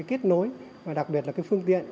kết nối và đặc biệt là phương tiện